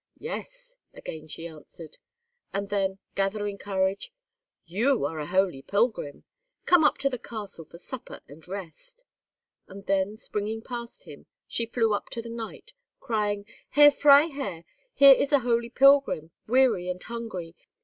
"Yes," again she answered; and then, gathering courage—"You are a holy pilgrim! Come up to the castle for supper and rest." And then, springing past him, she flew up to the knight, crying, "Herr Freiherr, here is a holy pilgrim, weary and hungry.